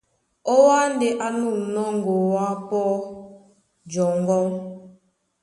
Ó Wâ ndé á nûmnɔ́ ŋgoá pɔ́ jɔŋgɔ́,